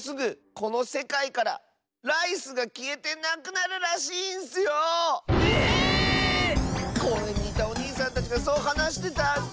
こうえんにいたおにいさんたちがそうはなしてたッス。